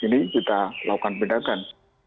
ini kita lakukan penindakan